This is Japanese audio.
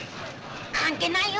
関係ないよ